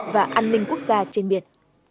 và an ninh quốc gia trên biển